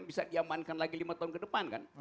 bisa diamankan lagi lima tahun ke depan kan